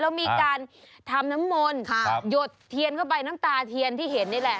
แล้วมีการทำน้ำมนต์หยดเทียนเข้าไปน้ำตาเทียนที่เห็นนี่แหละ